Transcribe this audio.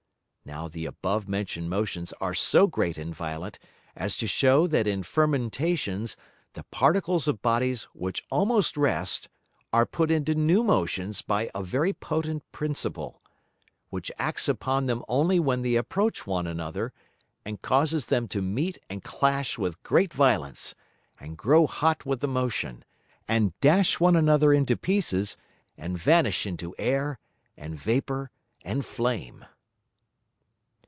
Now the above mention'd Motions are so great and violent as to shew that in Fermentations the Particles of Bodies which almost rest, are put into new Motions by a very potent Principle, which acts upon them only when they approach one another, and causes them to meet and clash with great violence, and grow hot with the motion, and dash one another into pieces, and vanish into Air, and Vapour, and Flame.